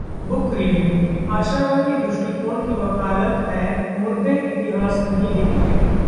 Book Review: आशावादी दृष्टिकोण की वकालत है 'मुर्दे इतिहास नहीं लिखते'